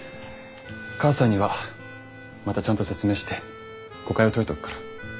母さんにはまたちゃんと説明して誤解を解いておくから。